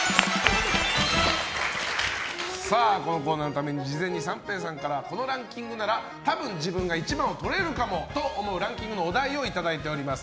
このコーナーのために事前に三平さんからこのランキングならたぶん自分が１番をとれるかもと思うランキングのお題をいただいております。